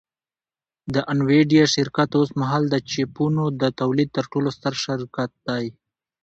د انویډیا شرکت اوسمهال د چیپونو د تولید تر ټولو ستر شرکت دی